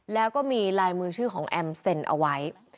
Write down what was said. แล้วก็มีลายมือชื่อของแอมเซ็นเอาไว้